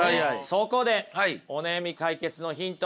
そこでお悩み解決のヒント